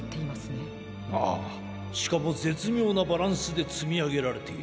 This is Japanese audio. ああしかもぜつみょうなバランスでつみあげられている。